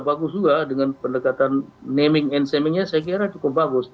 bagus juga dengan pendekatan naming and semingnya saya kira cukup bagus